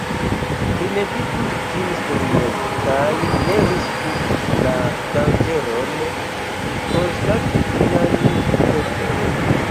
Primeditu ĝin serioze, kaj ne risku la danĝeron, konstati ĝian ĝustecon.